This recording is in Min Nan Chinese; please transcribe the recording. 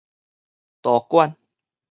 道館